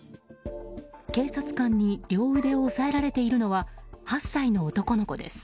警察官に両腕を押さえられているのは８歳の男の子です。